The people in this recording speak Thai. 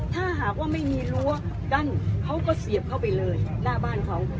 ถ้าหากว่าไม่มีรั้วกั้นเขาก็เสียบเข้าไปเลยหน้าบ้านเขา